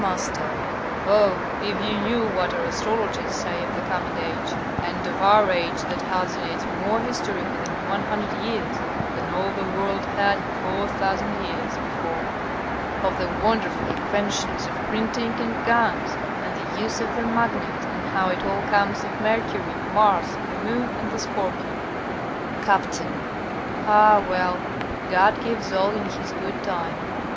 M. Oh, if you knew what our astrologers say of the coming age, and of our age, that has in it more history within 100 years than all the world had in 4,000 years before! of the wonderful inventions of printing and guns, and the use of the magnet, and how it all comes of Mercury, Mars, the Moon, and the Scorpion! Capt. Ah, well! God gives all in His good time.